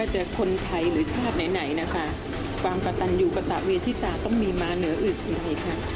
คือจากนี้ก็คือจะไปรักคุณแม่กลับเข้าบ้านกับแม่ใช่ไหมคะ